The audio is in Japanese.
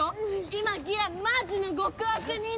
今ギラマジの極悪人なの！